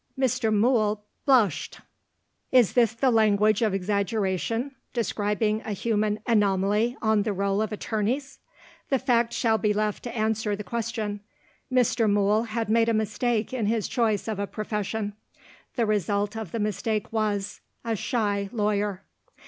Mr. Mool blushed. Is this the language of exaggeration, describing a human anomaly on the roll of attorneys? The fact shall be left to answer the question. Mr. Mool had made a mistake in his choice of a profession. The result of the mistake was a shy lawyer.